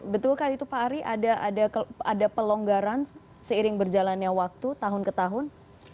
betulkah itu pak ari ada pelonggaran seiring berjalannya waktu tahun ke tahun